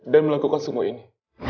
dan melakukan semua ini